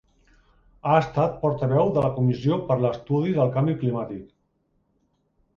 Ha estat portaveu de la Comissió per a l'Estudi del Canvi Climàtic.